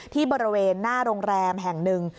ที่บริเวณหน้าโรงแรมแห่งหนึ่ง